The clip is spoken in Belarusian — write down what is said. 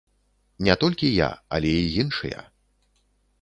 Не толькі я, але і іншыя.